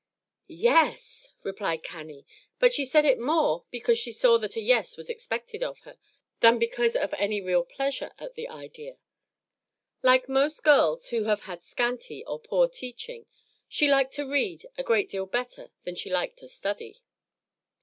"Y es," replied Cannie; but she said it more because she saw that a yes was expected of her, than because of any real pleasure at the idea. Like most girls who have had scanty or poor teaching, she liked to read a great deal better than she liked to study.